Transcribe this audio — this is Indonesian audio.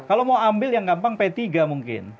kalau mengambil yang gampang p tiga mungkin